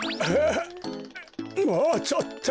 あっ。